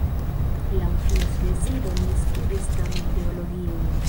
Laŭ ties deziro li studis tamen teologion.